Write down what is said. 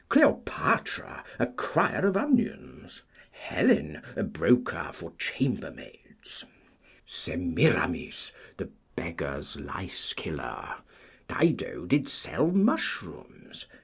Cleopatra, a crier of onions. Helen, a broker for chambermaids. Semiramis, the beggars' lice killer. Dido did sell mushrooms.